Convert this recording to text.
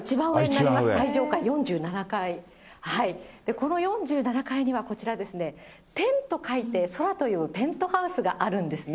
この４７階にはこちらですね、天と書いて、そらというペントハウスがあるんですね。